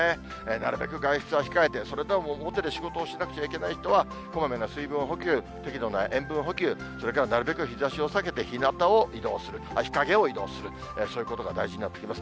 なるべく外出は控えて、それでも表で仕事をしなくちゃいけない人は、こまめな水分補給、適度な塩分補給、それからなるべく日ざしを避けて日陰を移動する、そういうことが大事になってきます。